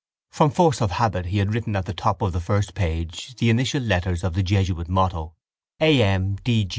From force of habit he had written at the top of the first page the initial letters of the jesuit motto: A.M.